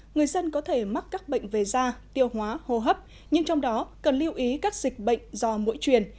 người dân có thể mắc các bệnh về da tiêu hóa hô hấp nhưng trong đó cần lưu ý các dịch bệnh do mũi truyền